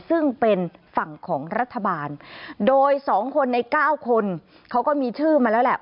ซึ่งเป็นฝั่งของรัฐบาลโดย๒คนใน๙คนเขาก็มีชื่อมาแล้วแหละ